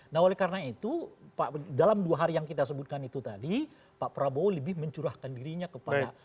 nah oleh karena itu dalam dua hari yang kita sebutkan itu tadi pak prabowo lebih mencurahkan dirinya kepada